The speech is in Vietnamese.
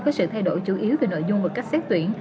có sự thay đổi chủ yếu về nội dung và cách xét tuyển